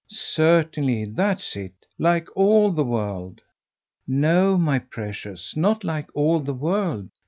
"Certainly that's it. Like all the world." "No, my precious, not like all the world.